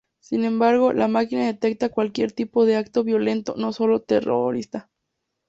Sin embargo la máquina detecta cualquier tipo de acto violento no solo terrorista.